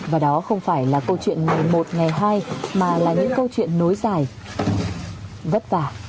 và đó không phải là câu chuyện ngày một ngày hai mà là những câu chuyện nối dài vất vả